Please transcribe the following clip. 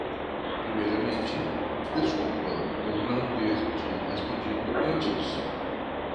Primeiramente, desculpa por não ter te respondido antes.